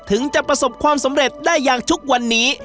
ถึงจะประสบความสำเร็จได้อย่างทุกวันนี้